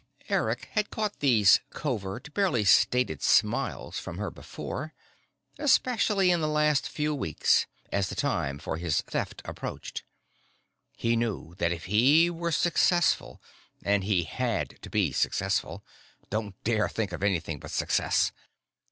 Eric had caught these covert, barely stated smiles from her before; especially in the last few weeks, as the time for his Theft approached. He knew that if he were successful and he had to be successful: don't dare think of anything but success!